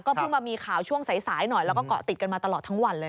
เพิ่งมามีข่าวช่วงสายหน่อยแล้วก็เกาะติดกันมาตลอดทั้งวันเลย